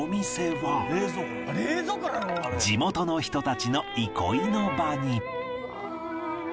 地元の人たちの憩いの場に